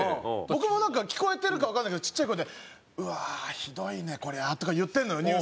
僕もなんか聞こえてるかわからないけどちっちゃい声で「うわあひどいねこりゃ」とか言ってるのよニュース。